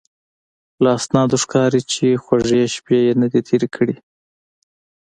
له اسنادو ښکاري چې خوږې شپې یې نه دي تېرې کړې.